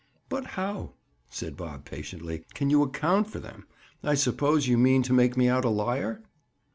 "But how," said Bob patiently, "can you 'account' for them? I suppose you mean to make me out a liar?"